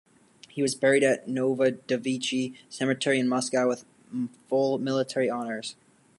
He was buried at Novodevichy Cemetery in Moscow with full military honors.